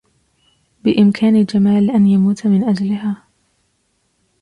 بإمكان جمال أن يموت من أجلها.